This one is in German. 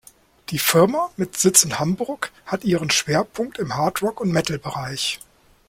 Die Firma mit Sitz in Hamburg hat ihren Schwerpunkt im Hard Rock- und Metal-Bereich.